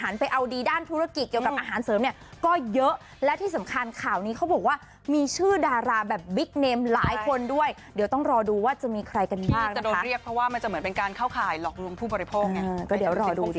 หันไปเอาดีด้านธุรกิจเกี่ยวกับอาหารเสริมเนี่ย